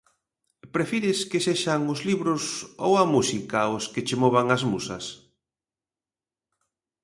Prefires que sexan os libros ou a música os que che movan as musas?